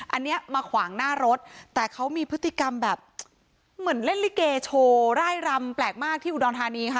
อันนี้มาขวางหน้ารถแต่เขามีพฤติกรรมแบบเหมือนเล่นลิเกโชว์ร่ายรำแปลกมากที่อุดรธานีค่ะ